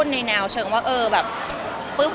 ที่นี่มันเหมือนแบบเขาก็แบบ